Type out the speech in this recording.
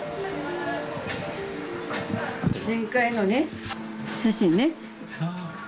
前回のね、写真ね。